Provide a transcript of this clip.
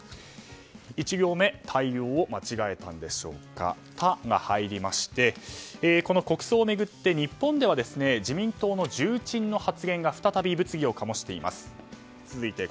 １行目は対応間違えたんでしょうかの「タ」が入りましてこの国葬を巡って日本では、自民党の重鎮の発言が再び物議を醸しています。